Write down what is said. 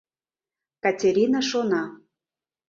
— Катерина шона.